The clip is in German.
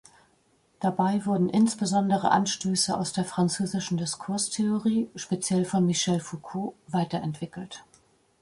Dabei wurden insbesondere Anstöße aus der französischen Diskurstheorie, speziell von Michel Foucault, weiterentwickelt.